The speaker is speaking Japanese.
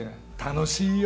楽しいよ！